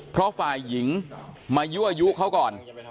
เพราะฝ่ายหญิงมายั่วยุเขาก่อน